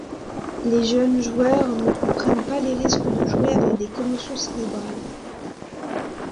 Les jeunes joueurs ne comprennent pas les risques de jouer avec des commotions cérébrales.